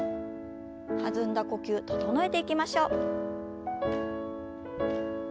弾んだ呼吸整えていきましょう。